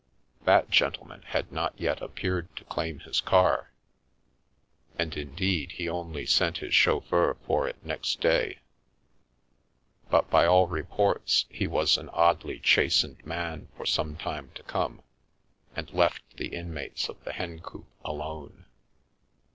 That gentleman had not yet appeared to claim his car — and, indeed, he only sent his chauffeur for it next day — but, by all reports, he was an oddly chastened man for some time to come, and left the inmates of the Hencoop alone.